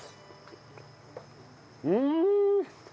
うん！